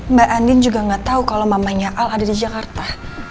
mbak andin juga gak tau kalo mamanya al ada di jakarta